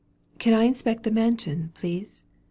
Can I inspect the mansion, please